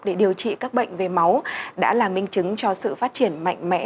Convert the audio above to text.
để điều trị các bệnh về máu đã là minh chứng cho sự phát triển mạnh mẽ